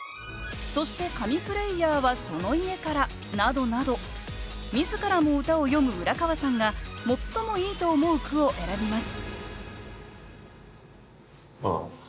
「そして神プレイヤーはその家から」などなど自らも歌を詠む浦川さんが最もいいと思う句を選びます